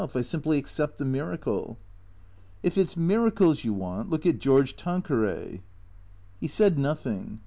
I simply accept the miracle." " If it 's miracles yon want, look at George Tanqueray." He said nothing.